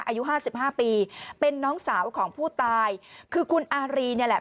อายุห้าสิบห้าปีเป็นน้องสาวของผู้ตายคือคุณอารีเนี่ยแหละ